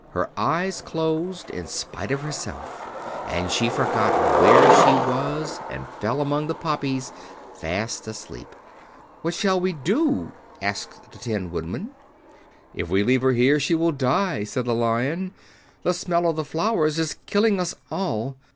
Her eyes closed in spite of herself and she forgot where she was and fell among the poppies, fast asleep. "What shall we do?" asked the Tin Woodman. "If we leave her here she will die," said the Lion. "The smell of the flowers is killing us all.